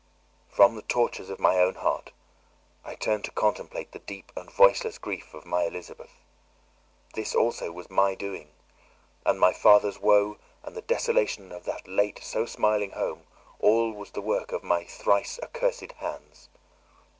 From the tortures of my own heart, I turned to contemplate the deep and voiceless grief of my Elizabeth. This also was my doing! And my father's woe, and the desolation of that late so smiling home all was the work of my thrice accursed hands!